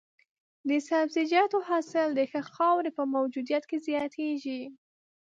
د سبزیجاتو حاصل د ښه خاورې په موجودیت کې زیات شي.